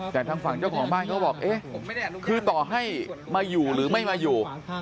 แต่ทางฝั่งเจ้าของบ้านเขาบอกเอ๊ะคือต่อให้มาอยู่หรือไม่มาอยู่